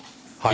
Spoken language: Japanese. はい？